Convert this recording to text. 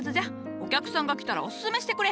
お客さんが来たらオススメしてくれ。